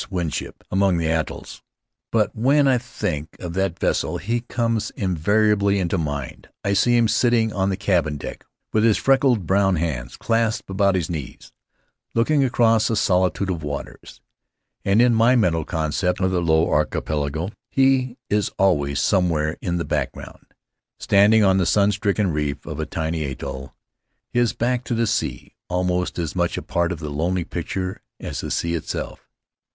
Winship among the atolls. But when I think of that vessel he comes inevitably into mind. I see him sitting on the cabin deck with his freckled brown hands clasped about his knees, looking across a solitude of waters; and in my mental concept of the Low Archipelago he is always somewhere in the back ground, standing on the sun stricken reef of a tiny atoll, his back to the sea, almost as much a part of the lonely picture as the sea itself.